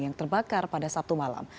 yang terbakar pada sabtu malam